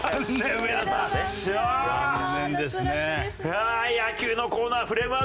残念ですね。